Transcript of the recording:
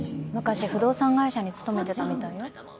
昔不動産会社に勤めてたみたいよ。